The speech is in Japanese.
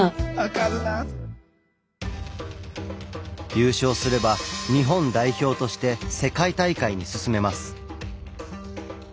優勝すれば日本代表として世界大会に進めます。